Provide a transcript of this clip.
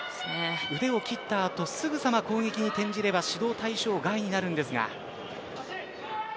腕を切った後すぐさま攻撃に転じれば指導対象外になります。